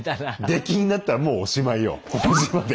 出禁になったらもうおしまいよこの島で。